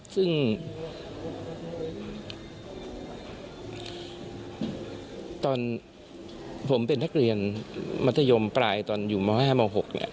ซึ่งตอนผมเป็นนักเรียนมัธยมปลายตอนอยู่ม๕ม๖เนี่ย